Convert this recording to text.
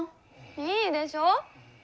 いいでしょ？